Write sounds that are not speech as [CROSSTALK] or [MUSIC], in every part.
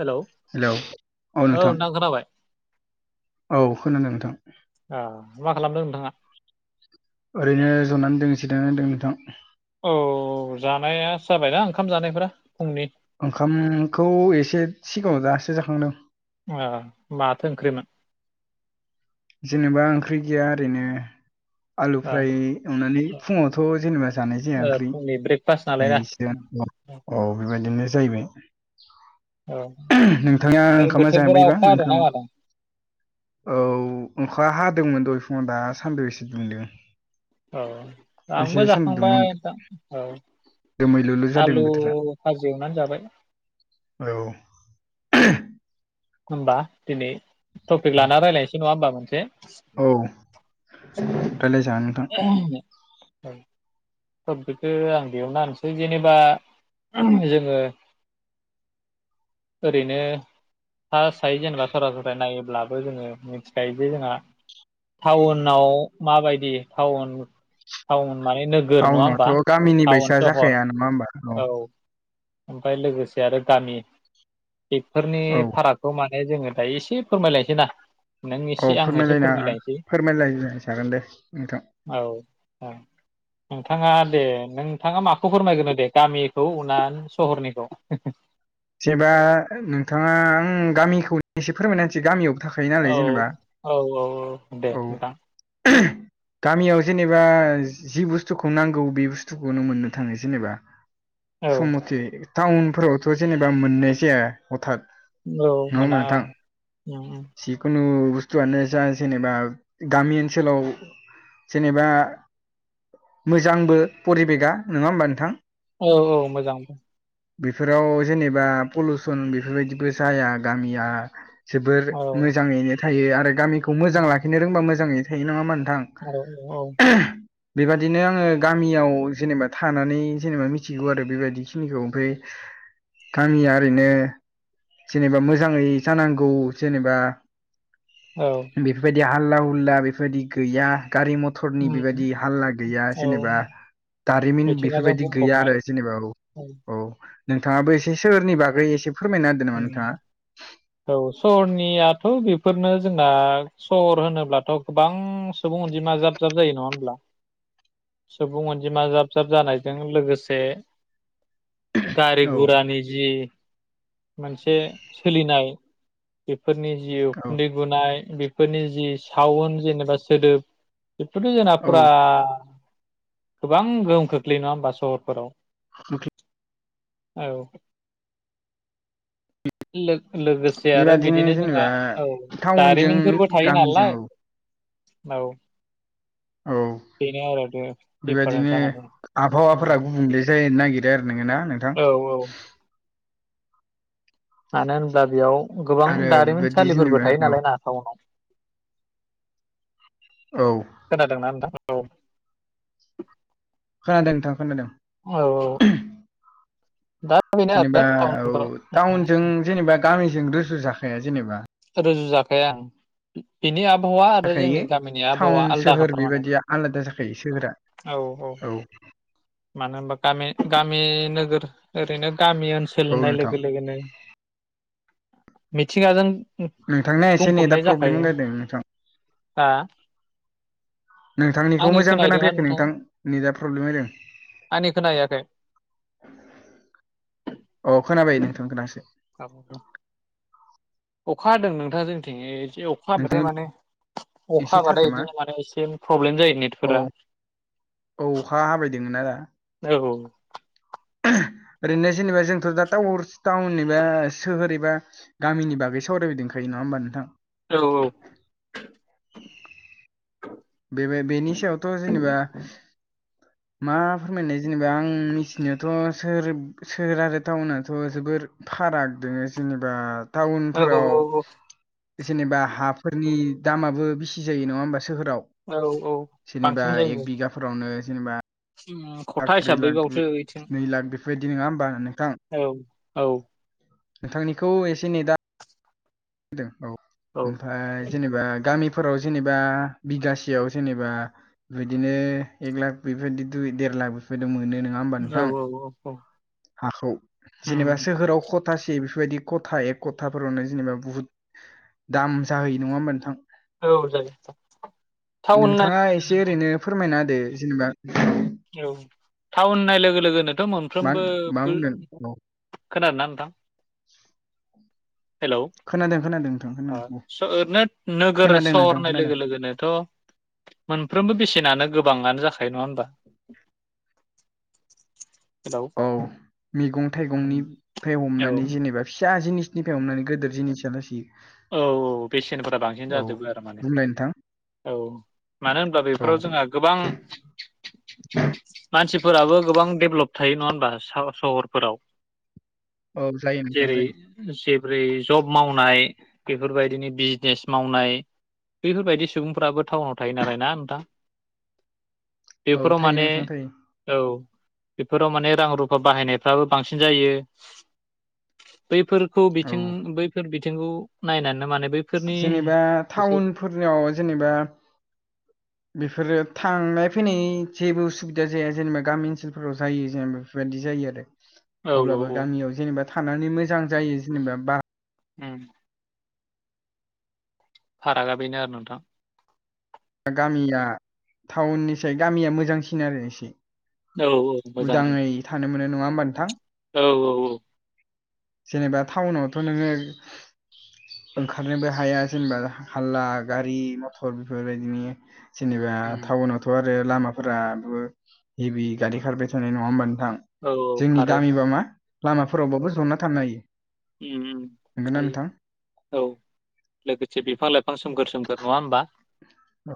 Hello hello औ नोथां खोनाबाय। औ खोनादों नोंथां। ओ मा खालामदों नोंथाङा? ओरैनो जनानै दोनसि दाङ दोङ नोंथां। औ जानाया जाबायना ओंखाम जानायफोरा फुंनि? ओंखाम खौ एसे सिगाङाव दासो जाखांदों। आ माथो ओंख्रिमोन? जेनेबा ओंख्रि गैया ओरैनो आलु फ्राय ओ एवनानै फुङावथ' जेनेबा जानाय जाया ओ ओंख्रि। फुंनि ब्रेकफास्ट नालाय ना दायैसिगां औ अ बेबायदिनो जाहैबाय। औ नोंथाङा ओमफ्राय ओंखामा बोथोरफोरा जाबैयबा अखा हादोंना ओंखाम मादों औ अखा हादोंमोन दह फुङाव दा सानदु एसे दुंदों। औ एसे आंबो सानदुं दुंमोन जाखांबाय दा। औ दोमैलुलु जादों आलु बोथोरा फाजि एवनानै जाबाय। औ। होमबा दिनै टपिक लाना रायज्लायनोसै नङा होमबा मोनसे? औ रायलायजागोन नोंथां [UNINTELLIGIBLE] तपिकखौ आं बेयावनो होनसै जेनेबा जोङो ओरैनो फासहाय जेनेबा जराय जराय नायोब्लाबो जोङो मिथिखायो जे जोंहा टाउनाव माबायदि? टाउन टाउन माने नोगोर। नङा होमबा टाउनथ' गामिनि टाउन बायसा सहर जाखाया नामा होमबा औ। औ ओमफ्राय लोगोसे आरो गामि बेफोरनि औ फाराग खौ माने जोङो दा एसे फोरमायलायनोसै ना? नों औ एसे आं एसे फोरमायलायना फोरमायलायनोसै फोरमायलायलाय जागोन दे नोंथां। औ औ। नोंथाङा दे नोंथाङा माखौ फोरमायग्रोनो दे गामिखौ ना सहरनिखौ? जेनेबा नोंथाङा आं गामिखौ एसे फोरमायनासै गामियाव औ औ औ औ दे औ नोंथां। [UNINTELLIGIBLE] गामियाव जेनेबा जि बुस्थुखौ नांगौ बे बुस्थुखौनो मोननो थाङो जेनेबा। औ समथे टाउनफोरावथ' जेनेबा मोननाय जाया हथात औ नङा होमबा मोना नोंथां उम उम। जिखुनु बुस्थुआनो जा जेनेबा गामि ओनसोलाव जेनेबा मोजांबो परिबेगा नङा होमबा नोंथां? औ-औ मोजां बेफोराव जेनेबा पलिउसन बेफोरबायदिबो जाया गामिया जोबोर औ मोजाङैनो थायो आरो गामिखौ मोजां लाखिनो रोंबा मोजाङैनो थायो ओमबा नोंथां? औ-औ [INAUDIBLE] बेबादिनो आङो गामियाव जेनेबा थानानै जेनेबा मिथिगौ आरो बेबायदिखिनिखौ ओमफ्राय गामिया ओरैनो जेनेबा मोजाङै जानांगौ जेनेबा औ। बेफोरबायदि हालला हुला बेफोरबायदि गैया गारि मथ थरनि उम बेबायदि हाल्ला गैया औ जेनेबा दारिमिन मिथिंगाजों बेफोरबायदि गैया बुंफबनाय आरो जेनेबा औ औ-औ नोंथाङाबो एसे सोहोरनि बागै एसे फोरमायना होदो नामा उम नोंथाङा औ सहरनियाथ' बेफोरनो जोंना सहर होनोब्लाथ' गोबां सुबुं अनजिमा जाब जाब जायो नङा होमब्ला? सुबुं अनजिमा जाब जाब जानायजों लोगोसे गारि औ गुरानि जि मोनसे सोलिनाय बेफोरनि जि औ उखुन्दै बुनाय बेफोरनि जि सावन जेनेबा सोदोब बेफोरथ' जोंना औ फुरा गोबां गोहोम खोख्लैयो नङा होमबा सहरफोराव? [INAUDIBLE] औ लोग लोगोसे जे आरो बेबादिनो बिदिनो जोंहा जेनेबा औ टाउनजों दारिमिनफोरबो थायो गामिजों नालाय औ औ। औ बेनो आरो बेबायदिनो दिफारेन्सा माने उम। आबहावाफोरा गुबुंले जानो नागिरो। देर नोङोना नोंथां? औ-औ मानो होनब्ला बेयाव गोबां आरो बेबायदि दारिमिनसालिफोरबो जेनेबा थायो औ नालाय ना टावनाव [INAUDIBLE] औ। खोनादोंना नोंथां औ। खोनादों नोंथां खोनादों। औ औ दा बेनो जेनेबा आरो औ टाउनफ्राव टाउनजों जेनेबा गामिजों रुजु जाखाया जेनेबा रुजु जाखाया ओं। बिनि आबहावा आरो जाखायो जोंनि गामिनि आबहावा टाउन आलदा सोहोर खाथार माने बेबायदिया आलादा जाखायो सोहोरा औ-औ औ मानो होनबा गामि गामि नोगोर ओरैनो गामि ओनसोल औ होननाय नोंथां लोगो लोगोनो मिथिंगाजों नोंथांना एसे नै दा बुंफबनाय प्रब्लेम जाखायो होलायदों नोंथां दा नोंथांनिखौ आंनि मोजां खोनाहैदोंना खोनाफैयाखै नोंथाङा नोंथां नेदा प्रब्लेम जादों आंनि खोनाहैयाखै औ खोनाबाय नोंथां दासो अखा हादों नोंथां जोंथिं ओ जि अख अखा हबाथाय नोंथांनि माने अखा एसे हाबाथाय थादोमा इदिनो माने एसे प्रब्लेम जायो औ नेटफोरा औ हाबायदोङो ना दा औ ओरैनो जेनेबा जोंथ' टाउर टाउन एबा सोहोर एबा गामिनि बागै सावरायबायदोंखायो नङा होमबा नोंथां औ-औ बे बेनि सायावथ' जेनेबा मा फोरमायनाय जेनेबा आं मिथिनायावथ' सोहोर सोहोर आरो टाउनथ' जोबोर फाराग दोङो जेनेबा औ औ टाउनफोराव औ जेनेबा हाफोरनि दामाबो बेसि जायो नङा होमबा सोहोराव औ औ जेनेबा बांसिन जायो एक बिगाफोरावनो जेनेबा [UNINTELLIGIBLE] लाख ब्रै लाख बावसो बिथिं नै लाख बेफोरबायदि नङा होमबा नोंथां। औ औ नोंथांनिखौ एसे नै दा औ औ ओमफ्राय जेनेबा गामिफोराव जेनेबा बिगासेयाव जेनेबा बिदिनो एक लाख बेफोरबायदि दुइ देर लाख बेफोरबायदि मोनो नङा होमबा नोंथां। [UNINTELLIGIBLE] हाखौ जेनेबा उम सोहोराव खथासे बेफोरबायदि खथा एक खथाफोरावनो जेनेबा बुहुद दाम जाहैयो नङाम नोंथां। औ जायो टाउन होननाय नोंथाङा एसे ओरैनो फोरमायना होदो जेनेबा औ टाउन होननाय लोगो लोगोनोथ' मा मा मोनफ्रोमबो बुंगोन औ खोनादोंना नोंथां। [UNINTELLIGIBLE] हेलौ खोनादों खोनादों नोंथां खोनादों औ ओरैनो नोगोर खोनादों नोंथां सहरनि खोनादों लोगो लोगोनथ' मोनफ्रोमबो बेसेनानो गोबाङानो जाखायो नङा होनोमबा हेलौ औ मैगं थाइगंनिफ्राय औ हमनानै जेनेबा फिसा जिनिस निफ्राय हमनानै गोदिर जिनिसा लासैयो औ औ बेसेनफोरा बांसिन जाजोबो आरो माने बुंलाय नोंथां औ मानो होनबा औ बेफोराव जोंहा गोबां मानसिफोराबो गोबां डेभलप थायो नङा हबा सहरफोराव औ जायो नोंथां जेरै जायो जेबोरै जब मावनाय बेफोरबायदिनि बिजनेस मावनाय बैफोरबायदि सुबुंफ्राबो टाउनाव थायो नालाय ना नोंथां। औ बेफोराव थायो माने नोंथां थायो औ बेफोराव माने रां रुफा बाहायनायफ्राबो बांसिन जायो। बैफोरखौ बिथिं औ बैफोर बिथिंखौ नायनानै माने बै जेनेबा टाउनफोरनियाव जेनेबा [UNINTELLIGIBLE] बेफोरो थांनाय फैनाय जेबो उसुबिदा जाया जेनेबा गामि ओनसोलफोराव जायो जेनेबा बेफोरबायदि जायो आरो। औ औ अब्लाबो औ गामियाव जेनेबा थानानै मोजां जायो जेनेबा बा उम। फारागा बेनो आरो नोंथां। दा गामिया टाउननिसाय गामिया मोजांसिन आरो एसे। औ मोजां उदाङै नोंथां थानो मोनो नङा होमबा नोंथां। औ औ औ। जेनेबा टाउनावथ' नोङो ओंखारनोबो हाया जेनेबा हाल्ला गारि मथर बेफोरबायदिनो जेनेबा उम टाउनावथ' आरो लामाफोराबो हेभि गारि खारबाय थानाय नङा होमबा नोंथां औ औ जोंनि खारो नोंथां गामिबा मा लामाफोरावबाबो ज'ना थांनो हायो। हुम हुम नंगौना हायो। नोंथां औ लोगोसे बिफां लाइफां सोमखोर सोमखोर नङा होमबा। औ।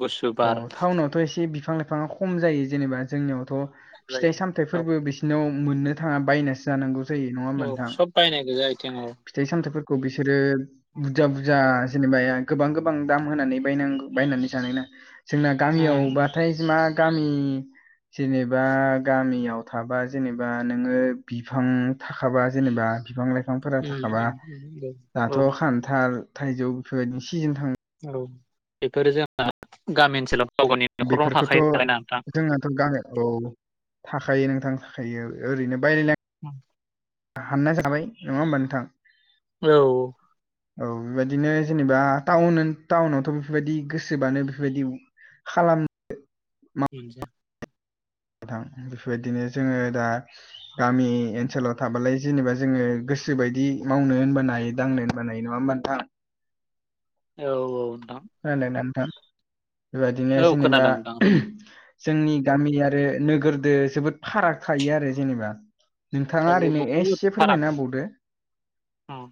गुसु अ बार टाउनावथ' एसे बिफां लाइफाङा खम जायो जेनेबा जोंनियावथ' फिथाइ सामथाय जायो औ फोरबो बिसिनाव मोननो थाङा बायनासो जानांगौ जायो नङा होमबा औ नोंथां। सब बायनाय गोजा आथिं औ फिथाइ सामथाइफोरखौ बिसोरो उम बुरजा बुरजा जेनेबा गोबां गोबां दाम होनानै बायनांगौ बायनानै जानाय ना, जोंना गामियाव बा उम फ्राय मा गामि जेनेबा गामियाव थाबा जेनेबा नोङो बिफां थाखाबा जेनेबा बिफां लाइफांफोरा थाखाबा उम उम दाथ' औ खान्थाल थाइजौ बेफोरबायदि सिजोन थां औ बेफोरो जोंना गामि ओनसोलाव गाव गावनि न'खरावनो बेफोरखौथ' थाखायो नालाय ना नोंथां जोंनाथ' गाह औ थाखायो नोंथां थाखायो ओरैनो बायलाय [UNINTELLIGIBLE] हानना जाबाय नङा होमबा नोंथां? औ। औ बेबायदिनो जेनेबा टाउन टाउनावथ' बेफोरबायदि गोसोबानो बेफोरबायदि खालाम मोनजा नोंथां बेफोरबायदिनो जोङो दा गामि ओनसोलाव थाबालाय जेनेबा जोङो गोसो बायदि मावनो होनबानो हायो दांनो बानाय नङा होमब्ला नोंथां? औ औ नोंथां। [UNINTELLIGIBLE] बेबायदिनो औ जेनेबा खोनादों नोंथां जोंनि गामि आरो नोगोरदो जोबोद फाराग थायो आरो जेनेबा। नोंथाङा थायो ओरैनो एसे फोरमायनाबावदो। औ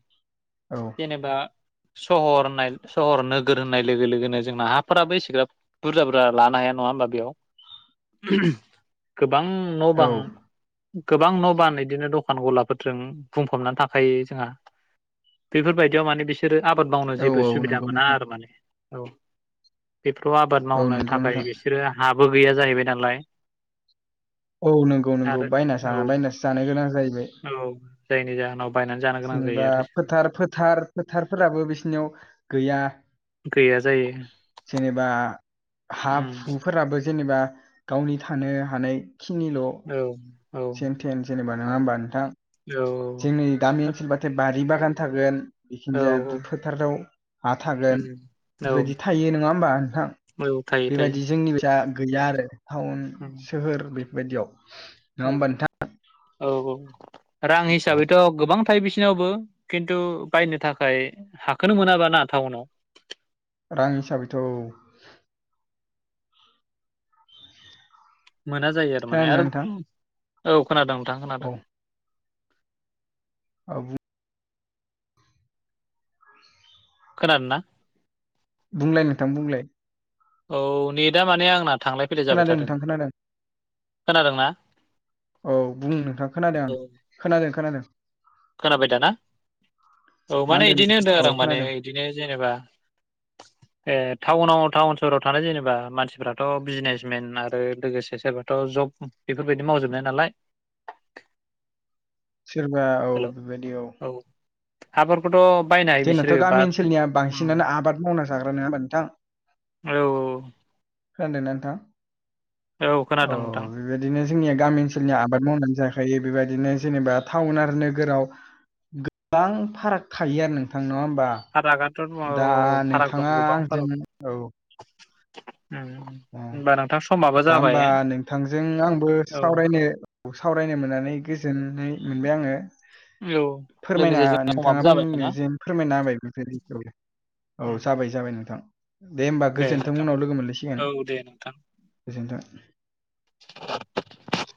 जेनेबा सहर होननाय सहर नोगोर होननाय लोगो लोगोनो जोंना हाफोराबो एसेग्राब बुरजा बुरजा लानो हाया नङा होमबा बेयाव गोबां न' बां औ गोबां न' बान बिदिनो दखान गलाफोरजों बुंफबनानै थाखायो। जोंहा बेफोरबायदियाव माने बिसोरो आबाद मावनो औ जेबो औ सुबिदा नंगौ मोना नोंथां आरो माने। औ बेफोराव आबाद औ मावनो नंगौ थाखाय नोंथां बिसोरो हाबो गैया जाहैबाय नालाय। औ नंगौ नंगौ आरो बायना औ बायनासो जानो गोनां जाहैबाय। औ। जायनि जाहोनाव बायनानै जानो गोनां जायो जेनेबा आरो फोथार फोथार फोथारफोराबो बिसिनियाव गैया। गैया जायो। जेनेबा हा उम हुफोराबो जेनेबा गावनि थानो हानायखिनिल' औ औ। थेन सेनेबा नङा होनबा नोंथां? औ जोंनि गामि ओनसोलबथाय बारि बागान थारागोन बेखिनि औ जाया फोथाराव हा थागोन औ औ बेफोरबायदि थायो नङा होमबा नोंथां? औ थायो थायो बेबायदि जोंनि गैया आरो टाउन सोहोर बेफोरबायदियाव। नङा औ होमबा नोंथां औ औ रां हिसाबैथ' गोबां थायो बिसिनावबो। खिन्थु बायनो थाखाय हाखोनो मोनाबा ना टाउनाव। रां हिसाबैथ' मोना जायो आरो माने खोनादोंना आरो नोंथां औ खोनादों नोंथां औ खोनादों। आ [UNINTELLIGIBLE] खोनादोंना? बुंलाय नोंथां बुंलाय। औ नेटआ माने आंना थांलाय फैलाय जाबाय खोनादों थादों, नोंथां खोनादों खोनादोंना? औ बुं नोंथां, खोनादों आं खोनादों खोनादों। खोनाबाय दाना औ मा माने बिदिनो होनदों आरो औ आं माने खोनादों बिदिनो जेनेबा [UNINTELLIGIBLE] ए टाउनाव टाउन सहराव थानाय जेनेबा मानसिफ्राथ' बिजनेसमेन आरो लोगोसे सोरबाथ' जब बेफोरबायदि मावजोबनाय नालाय सोरबा औ हेल' बेबायदि औ हाफोरखौथ' बायनाय जोंनाथ' गामि ओनसोलनिया बांसिनानो आबाद मावना जाग्रा नङामा नोंथां औ होनदोंना नोंथां औ खोनादों नोंथां बेबायदिनो जोंनिया गामि ओनसोलनि आबाद मावनानै जाखायो बेबायदिनो जेनेबा टाउन आरो नोगोराव गोबां फाराग थायो आरो नोंथां नङा होमबा [UNINTELLIGIBLE] दा नोंथाङा जों औ उम ओ दा होमबा नोंथांजों आंबो औ सावरायनो सावरायनो मोननानै गोजोननाय मोनबाय आङो औ फोरमायना लोगोसे जोंना समाबो नोंथाङा जाबाय बुंनो ना जेन फोरमायना होबाय बेफोर बादियै औ जाबाय जाबाय नोंथां दे होमबा गोजोनोंथों उनाव लोगो मोनलायसिगोन औ दे नोंथां गोजोनथों [UNINTELLIGIBLE]